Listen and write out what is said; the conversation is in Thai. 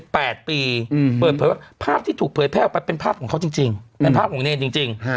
แปดปีภาพที่ถูกเผยแพร่ออกมาเป็นภาพของเขาจริงเป็นภาพของเนรจริง